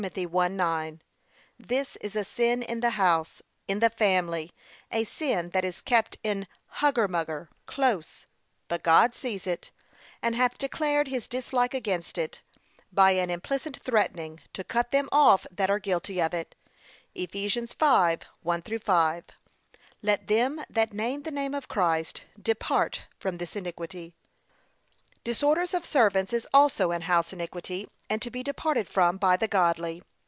1:9) This is a sin in the house, in the family, a sin that is kept in hugger mugger, close; but God sees it, and hath declared his dislike against it, by an implicit threatening, to cut them off that are guilty of it. (Eph. 5:1 5) Let them then that name the name of Christ, depart from this iniquity. Disorders of servants is also an house iniquity, and to be departed from by the godly.